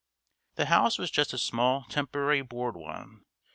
The house was just a small temporary board one.